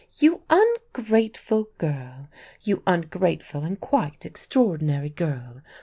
"You ungrateful girl! You ungrateful and quite extraordinary girl!